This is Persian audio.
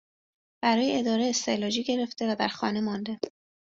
برای اداره استعلاجی گرفته و در خانه مانده